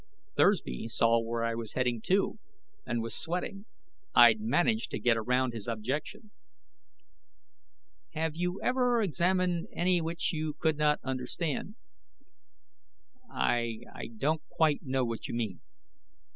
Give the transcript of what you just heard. Thursby saw where I was heading, too, and was sweating. I'd managed to get around his objection. "Have you ever examined any which you could not understand?" "I ... I don't quite know what you mean."